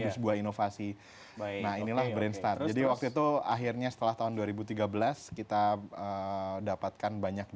di sebuah inovasi baik nah inilah brainstart jadi waktu itu akhirnya setelah tahun dua ribu tiga belas kita dapatkan banyak